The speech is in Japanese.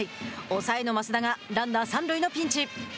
抑えの益田がランナー三塁のピンチ。